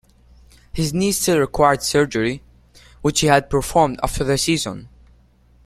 His knee still required surgery, which he had performed after the season.